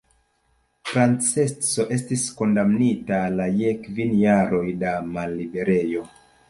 Francesco estis kondamnita la je kvin jaroj da malliberejo.